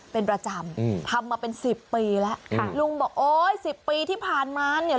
เป็นประจำอืมทำมาเป็นสิบปีแล้วค่ะลุงบอกโอ้ยสิบปีที่ผ่านมาเนี่ย